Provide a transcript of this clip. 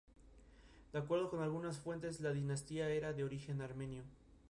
Yeltsin dejó el cargo siendo ampliamente impopular entre la población rusa.